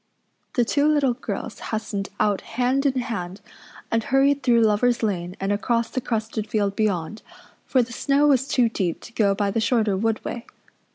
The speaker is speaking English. The two little girls hastened out hand in hand and hurried through Lover's Lane and across the crusted field beyond, for the snow was too deep to go by the shorter wood way.